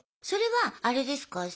それはあれですか？